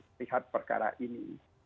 melihat perkara ini